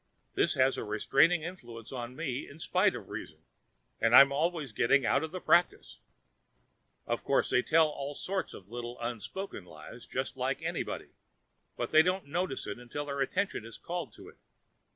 This has a restraining influence upon me in spite of reason, and I am always getting out of practice. Of course, they tell all sorts of little unspoken lies, just like anybody; but they don't notice it until their attention is called to it.